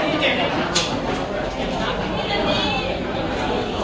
ที่เจนนี่ของกล้องนี้นะคะ